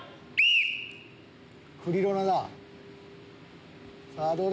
クリロナだ。